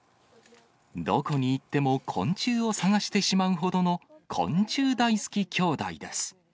どこに行っても昆虫を探してしまうほどの昆虫大好き兄弟です。